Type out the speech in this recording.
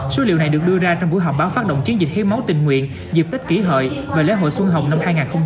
số liệu này được đưa ra trong buổi họp báo phát động chiến dịch hiến máu tình nguyện dịp tết kỷ hợi về lễ hội xuân hồng năm hai nghìn một mươi chín